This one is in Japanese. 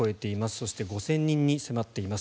そして５０００人に迫っています。